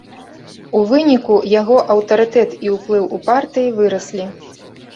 У выніку яго аўтарытэт і ўплыў у партыі выраслі.